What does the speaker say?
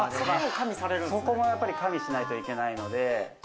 そこもやっぱり加味しないといけないので。